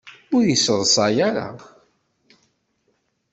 Ur yi-ssaḍsay ara!